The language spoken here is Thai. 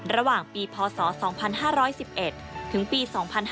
ระหว่างปีพศ๒๕๑๑ถึงปี๒๕๕๙